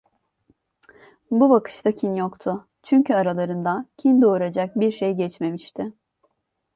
Bu bakışta kin yoktu, çünkü aralarında kin doğuracak bir şey geçmemişti.